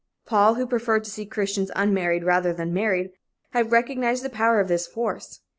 Paul, who preferred to see Christians unmarried rather than married, had recognized the power of this force.